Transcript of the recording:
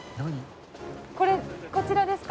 これこちらですか？